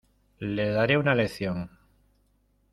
Le daré una lección.